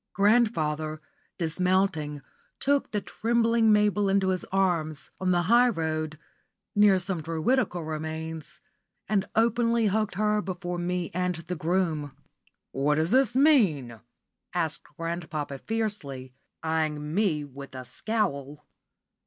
Grandfather, dismounting, took the trembling Mabel into his arms, on the high road, near some Druidical remains, and openly hugged her before me and the groom. "What does this mean?" asked grandpapa fiercely, eyeing me with a scowl.